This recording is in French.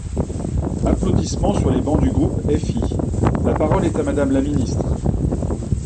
(Applaudissements sur les bancs du groupe FI.) La parole est à Madame la ministre.